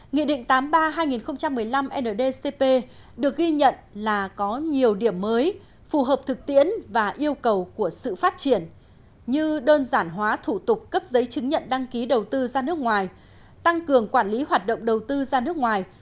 nghị định tám mươi ba hai nghìn một mươi năm ndcp được ghi nhận là có nhiều điểm mới phù hợp thực tiễn và yêu cầu của sự phát triển như đơn giản hóa thủ tục cấp giấy chứng nhận đăng ký đầu tư ra nước ngoài tăng cường quản lý hoạt động đầu tư ra nước ngoài